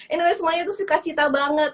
anyway semuanya itu syukacita banget